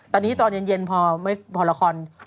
ตอนเย็นพอละคร